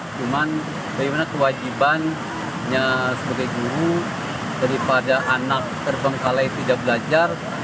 cuman bagaimana kewajibannya sebagai guru daripada anak terbengkalai tidak belajar